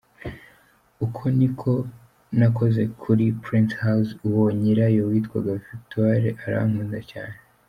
Uko niko nakoze kuri Prince House, uwo nyirayo witwaga Victor arankunda cyane.